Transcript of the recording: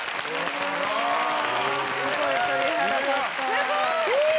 すごい！